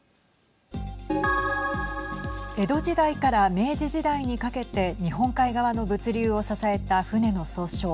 江戸時代から明治時代にかけて日本海側の物流を支えた船の総称